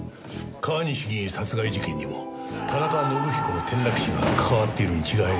川西議員殺人事件にも田中伸彦の転落死が関わっているに違いありません。